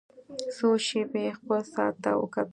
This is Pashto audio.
څو شېبې يې خپل ساعت ته وکتل.